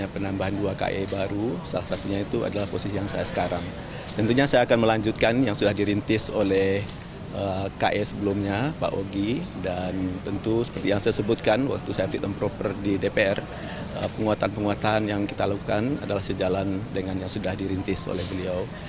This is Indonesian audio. penguatan penguatan yang kita lakukan adalah sejalan dengan yang sudah dirintis oleh beliau